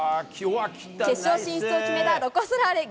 決勝進出を決めたロコ・ソラーレ。